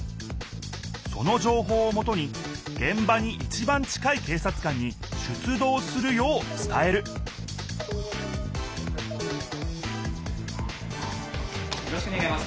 そのじょうほうをもとにげん場にいちばん近い警察官に出どうするようつたえるよろしくねがいます。